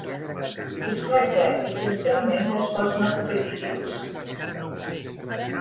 Es tracta essencialment d'esports no competitius.